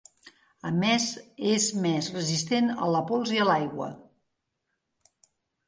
A més és més resistent a la pols i a l’aigua.